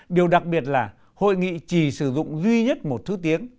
điều đặc biệt là hội nghị chỉ sử dụng duy nhất một thứ tiếng